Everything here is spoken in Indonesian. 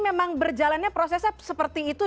memang berjalannya prosesnya seperti itu